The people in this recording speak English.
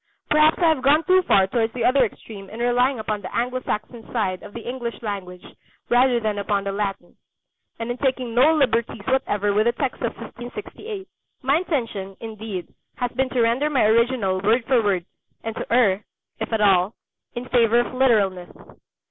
Perhaps I have gone too far towards the other extreme in relying upon the Anglo Saxon side of the English language rather than upon the Latin, and in taking no liberties whatever with the text of 1568. My intention, indeed, has been to render my original word for word, and to err, if at all, in favour of literalness.